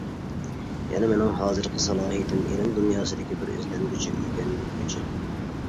يەنى مېنىڭ ھازىرقى سالاھىيىتىم ئىلىم دۇنياسىدىكى بىر ئىزدەنگۈچى، ئۆگەنگۈچى.